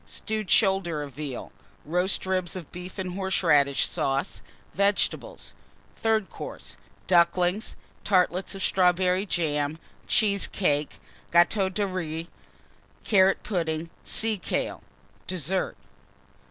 Stewed Shoulder of Veal. Roast Ribs of Beef and Horseradish Sauce. Vegetables. THIRD COURSE. Ducklings. Tartlets of Strawberry Jam. Cheesecakes. Gateau de Riz. Carrot Pudding. Sea kale. DESSERT.